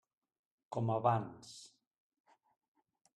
Com abans.